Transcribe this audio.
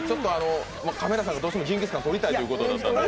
カメラさんがどうしてもジンギスカン撮りたいってことだったんで。